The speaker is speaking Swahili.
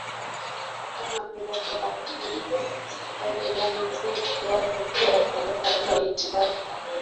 Kama vile roboti na Staili ya muziki wake pia staili ya sauti yake